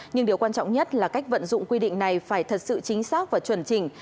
nhưng điều quan trọng nhất là cách vận dụng quy định này phải thật sự chính xác và chuẩn chỉnh chỉnh